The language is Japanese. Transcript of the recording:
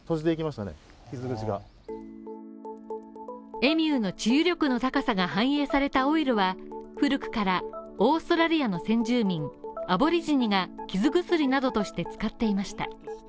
エミューの治癒力の高さが反映されたオイルは古くからオーストラリアの先住民アボリジニが傷薬などとして使っていました。